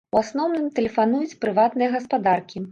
У асноўным тэлефануюць прыватныя гаспадаркі.